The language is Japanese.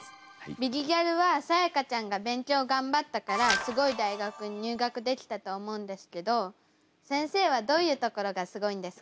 「ビリギャル」はさやかちゃんが勉強頑張ったからすごい大学に入学できたと思うんですけど先生はどういうところがすごいんですか？